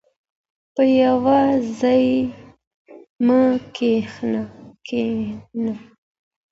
په یوه ځای مه کښینئ.